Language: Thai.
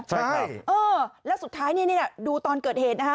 ใช่เออแล้วสุดท้ายนี่ดูตอนเกิดเหตุนะคะ